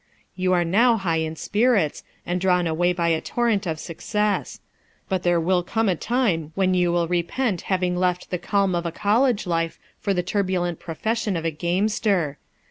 You are now high in spirits, and drawn away by a torrent of success ; but there will come a time, when you will repent having left the calm of a college life for the turbulent profession of a gamester.